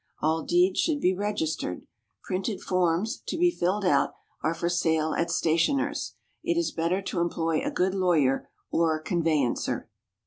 All deeds should be registered. Printed forms, to be filled out, are for sale at stationers. It is better to employ a good lawyer or conveyancer.